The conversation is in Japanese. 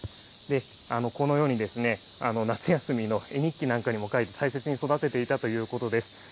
このように夏休みの絵日記なんかにも描いて、大切に育てていたということです。